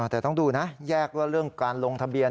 แต่ต้องดูนะแยกว่าเรื่องการลงทะเบียน